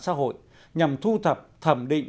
xã hội nhằm thu thập thẩm định